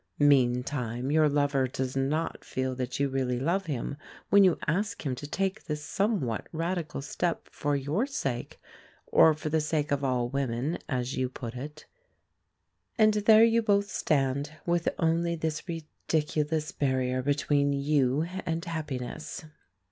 Meantime your lover does not feel that you really love him, when you ask him to take this somewhat radical step for your sake, or for the sake of all women, as you put it. And there you both stand, with only this ridiculous barrier between you and happiness.